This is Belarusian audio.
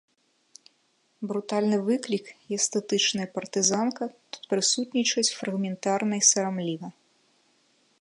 Брутальны выклік і эстэтычная партызанка тут прысутнічаюць фрагментарна і сарамліва.